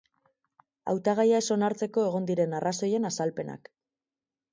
Hautagaia ez onartzeko egon diren arrazoien azalpenak.